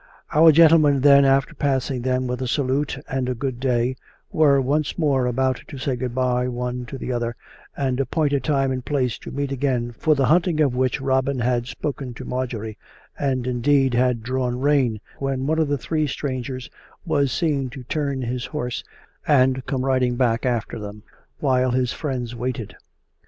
Our gentlemen, then, after passing them with a salute and a good day, were once more about to say good bye one to the other, and appoint a time and place to meet again for the hunting of which Robin had spoken to Marjorie, and, indeed, had drawn rein — when one of the three strangers was seen to turn his horse and come riding back after them, while his friends waited.